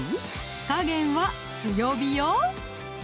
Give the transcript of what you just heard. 火加減は強火よ！